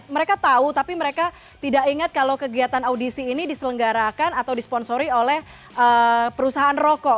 mereka tahu tapi mereka tidak ingat kalau kegiatan audisi ini diselenggarakan atau disponsori oleh perusahaan rokok